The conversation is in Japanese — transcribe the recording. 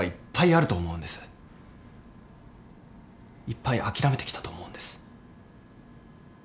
いっぱい諦めてきたと思うんです。